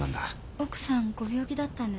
奥さんご病気だったんですか？